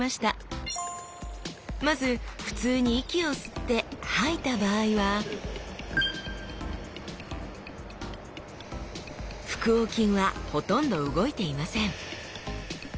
まず普通に息を吸って吐いた場合は腹横筋はほとんど動いていません